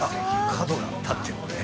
角が立ってるね。